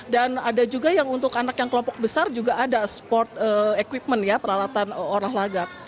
dan ada juga yang untuk anak yang kelompok besar juga ada sport equipment ya peralatan orang lagak